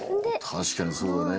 たしかにそうだね。